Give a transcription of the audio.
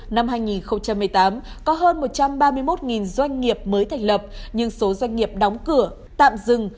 năm hai nghìn một mươi tám có hơn một trăm ba mươi một doanh nghiệp mới thành lập nhưng số doanh nghiệp đóng cửa tạm dừng